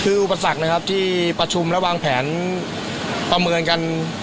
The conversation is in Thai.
คืออุปสรรคนะครับที่ประชุมและวางแผนประเมินกัน